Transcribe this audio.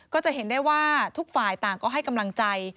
ก็จะเห็นได้ว่าทุกฝ่ายต่างก็ให้กำลังใจ